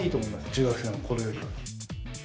中学生の頃より。